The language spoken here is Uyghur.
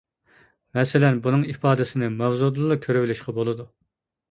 مەسىلەن: بۇنىڭ ئىپادىسىنى ماۋزۇدىنلا كۆرۈۋېلىشقا بولىدۇ.